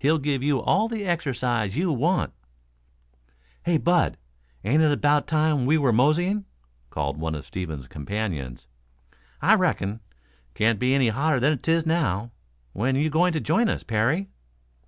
He'll give you all the exercise you want " "Hey, Bud, ain't it 'bout time we were moseying?" called one of Stevens's companions. "I reckon. Can't be any hotter than 'tis now. When you going to join us, Parry?"